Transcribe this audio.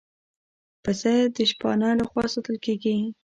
پسه د شپانه له خوا ساتل کېږي.